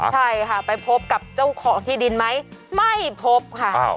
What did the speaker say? ใช่ค่ะไปพบกับเจ้าของที่ดินไหมไม่พบค่ะ